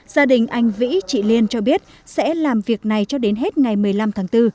gia đình anh vĩ chị liên cho biết sẽ làm việc này cho đến hết ngày một mươi năm tháng bốn